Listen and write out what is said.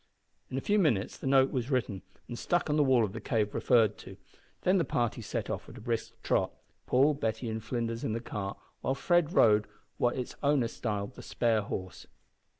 In a few minutes the note was written and stuck on the wall of the cave referred to; then the party set off at a brisk trot, Paul, Betty, and Flinders in the cart, while Fred rode what its owner styled the spare horse.